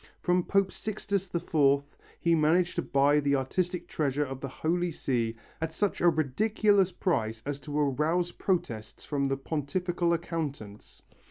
From Pope Sixtus IV he managed to buy the artistic treasure of the Holy See at such a ridiculous price as to arouse protests from the Pontifical accountants.